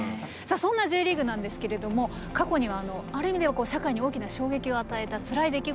そんなＪリーグなんですけれども過去にはある意味では社会に大きな衝撃を与えたつらい出来事もありました。